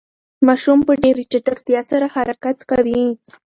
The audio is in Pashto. ماشوم په ډېرې چټکتیا سره حرکت کوي.